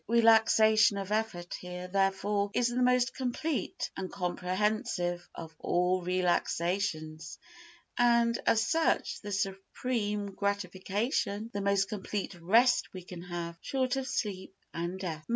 Relaxation of effort here, therefore, is the most complete and comprehensive of all relaxations and, as such, the supreme gratification—the most complete rest we can have, short of sleep and death.